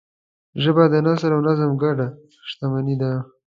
ژبه د نثر او نظم ګډ شتمنۍ ده